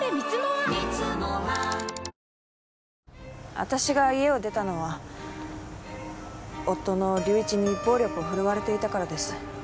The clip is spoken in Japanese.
私が家を出たのは夫の隆一に暴力をふるわれていたからです。